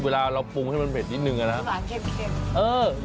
เวลาเราปรุงให้มันเผ็ดนิดนึงอะนะหวานเค็มเออ